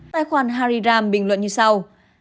tài khoản hariram bình luận như sau